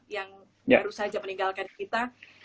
yang baru saja meninggalkan kita